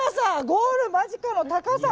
ゴール間近の高さ